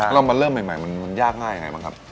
เรามาเริ่มใหม่มันยากง่ายยังไงบ้างครับ